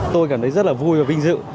tôi cảm thấy rất là vui và vinh dự